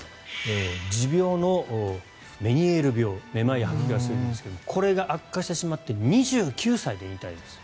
持病のメニエール病めまいや吐き気がするんですがこれが悪化してしまって２９歳で引退です。